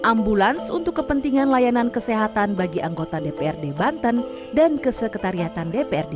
ambulans untuk kepentingan layanan kesehatan bagi anggota dprd banten dan kesekretariatan dprd